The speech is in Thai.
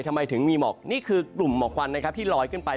ทำไมถึงมีหมอกนี่คือกลุ่มหมอกควันนะครับที่ลอยขึ้นไป